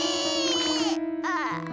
ああ。